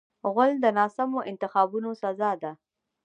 غول د ناسمو انتخابونو سزا ده.